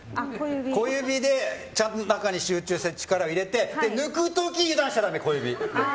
小指でちゃんと中に集中して力に入れて抜く時に油断しちゃダメ。